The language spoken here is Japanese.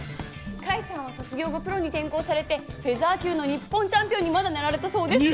甲斐さんは卒業後プロに転向されてフェザー級の日本チャンピオンにまでなられたそうです。